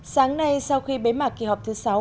sáng nay sau khi bế mạc kỳ họp thứ sáu